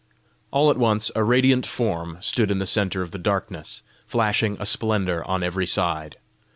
All at once, a radiant form stood in the centre of the darkness, flashing a splendour on every side.